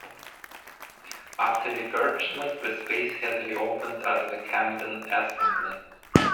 After refurbishment, the space has reopened as the Camden Assembly.